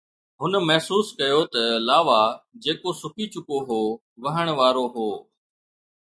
هن محسوس ڪيو ته لاوا، جيڪو سڪي چڪو هو، وهڻ وارو هو.